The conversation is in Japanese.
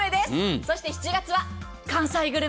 そして７月は関西グルメ。